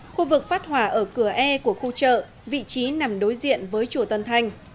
khu vực phát hỏa ở cửa e của khu chợ vị trí nằm đối diện với chùa tân thanh